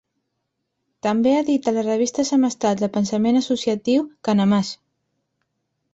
També edita la revista semestral de pensament associatiu Canemàs.